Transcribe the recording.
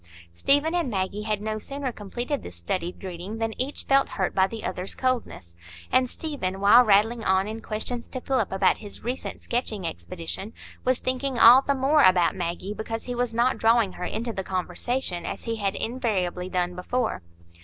Stephen and Maggie had no sooner completed this studied greeting than each felt hurt by the other's coldness. And Stephen, while rattling on in questions to Philip about his recent sketching expedition, was thinking all the more about Maggie because he was not drawing her into the conversation as he had invariably done before.